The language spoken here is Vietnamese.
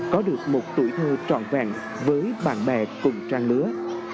có được một tuổi thơ tròn vàng với bạn bè cùng trang lứa